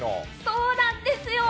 そうなんですよ